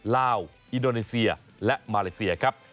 ลาวอินโดนีเซียและมาเลเซียครับ